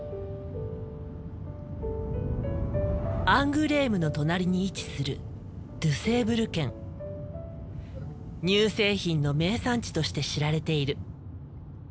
アングレームの隣に位置する乳製品の名産地として知られている。